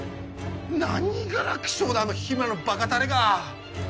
何が楽勝だあの緋邑のバカタレが！